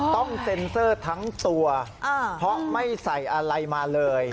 ต้องเซ็นเซอร์ทั้งตัวเพราะไม่ใส่อะไรมาเลย